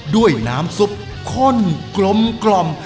ด้วยน้ำซุปค่อนกลมกล่อม